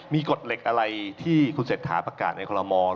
ไม่กดเหล็กอะไรที่คุณเสชถาประกาศในคันโรมองค์